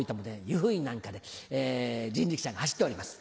由布院なんかで人力車が走っております。